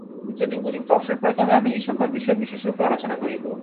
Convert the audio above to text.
যদি উপযুক্ত অবসর পাই, তবে আমি এই-সকল বিষয় বিশেষরূপে আলোচনা করিব।